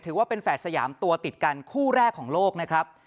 ถือว่าเป็นแฝดสยามตัวติดกันคู่แรกของโลกนะครับ